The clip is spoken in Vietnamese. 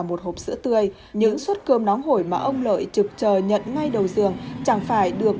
một hộp sữa tươi những suất cơm nóng hổi mà ông lợi trực chờ nhận ngay đầu giường chẳng phải được